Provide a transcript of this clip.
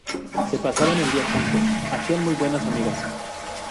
Se pasaban el día juntos, hacían muy buenas migas